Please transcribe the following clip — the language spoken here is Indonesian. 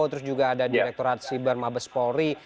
terus juga ada direkturat siber mabes polri